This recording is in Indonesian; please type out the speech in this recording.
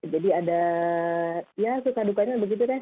jadi ada ya suka dukanya begitu deh